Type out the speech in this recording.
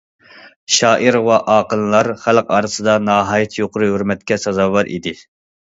شائىر ۋە ئاقىنلار خەلق ئارىسىدا ناھايىتى يۇقىرى ھۆرمەتكە سازاۋەر ئىدى.